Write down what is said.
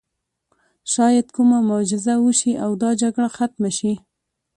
شاید کومه معجزه وشي او دا جګړه ختمه شي